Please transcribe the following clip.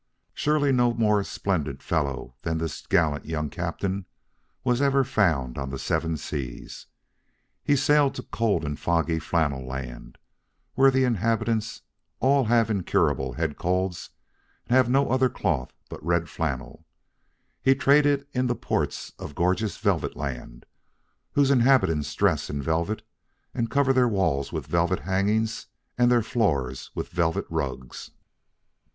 Surely no more splendid fellow than this gallant, young captain was ever found on the Seven Seas. He sailed to cold and foggy Flannel Land, where the inhabitants all have incurable head colds, and have no other cloth but red flannel; he traded in the ports of gorgeous Velvet Land, whose inhabitants dress in velvet, and cover their walls with velvet hangings and their floors with velvet rugs.